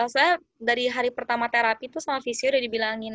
saya dari hari pertama terapi tuh sama visinya udah dibilangin